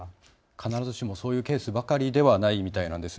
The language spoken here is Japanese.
必ずしもそういうケースばかりではないみたいなんです。